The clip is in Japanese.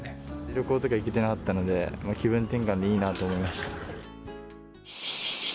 旅行とか行けてなかったので、気分転換にいいなと思いました。